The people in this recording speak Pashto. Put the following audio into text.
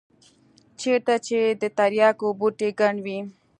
چېرته چې د ترياکو بوټي گڼ وي.